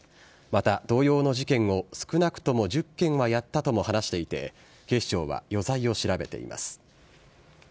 また、同様の事件を少なくとも１０件はやったとも話していて、警視庁は余罪を調べています。